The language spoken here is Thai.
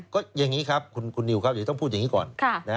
ก็อย่างนี้ครับคุณนิวครับเดี๋ยวต้องพูดอย่างนี้ก่อน